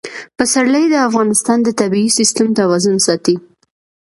پسرلی د افغانستان د طبعي سیسټم توازن ساتي.